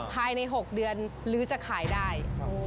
ภายใน๖เดือนหรือจะขายได้